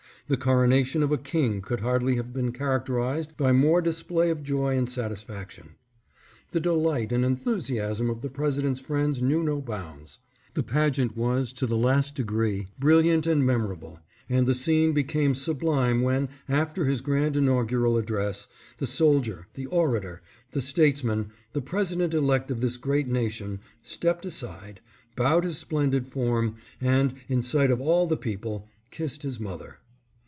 The coronation of a king could hardly have been characterized by more display of joy and satisfaction. The delight and enthusiasm of the President's friends knew no bounds. The pageant was to the last degree brilliant and memorable, and the scene became sublime when, after his grand inaugural AN AFFECTING SCENE. 629 address, the soldier, the orator, the statesman, the Pres ident elect of this great nation, stepped aside, bowed his splendid form, and, in sight of all the people, kissed his mother.